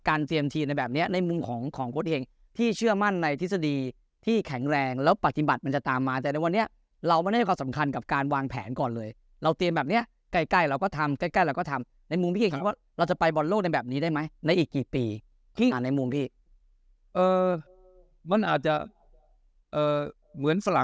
เตรียมทีมในแบบเนี้ยในมุมของโค้ดเองพี่เชื่อมั่นในทฤษฎีที่แข็งแรงแล้วปฏิบัติมันจะตามมาแต่ในวันนี้เราไม่ได้ให้ความสำคัญกับการวางแผนก่อนเลยเราเตรียมแบบเนี้ยใกล้ใกล้เราก็ทำใกล้เราก็ทำในมุมพี่คิดว่าเราจะไปบอลโลกในแบบนี้ได้ไหมในอีกกี่ปีในมุมพี่เออมันอาจจะเอ่อ